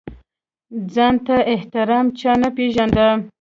ځان ته احترام چا نه پېژانده.